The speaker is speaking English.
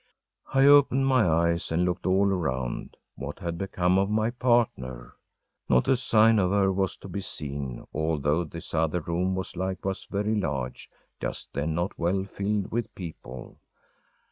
‚ÄĚ I opened my eyes and looked all around. What had become of my partner? Not a sign of her was to be seen, although this other room was likewise very large, just then not well filled with people.